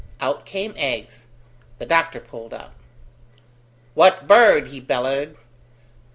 Out came eggs. The doctor pulled up. "What bird?" he bellowed.